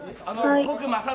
僕、雅紀。